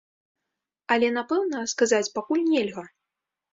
Але напэўна сказаць пакуль нельга.